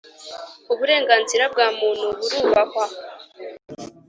Uburenganzira bwa Muntu burubahwa.